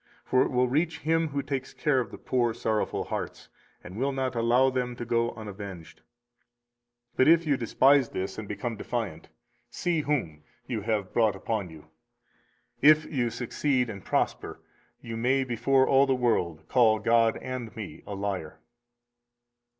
For it will reach Him who takes care of the poor sorrowful hearts, and will not allow them to go unavenged. But if you despise this and become defiant, see whom you have brought upon you: if you succeed and prosper, you may before all the world call God and me a liar.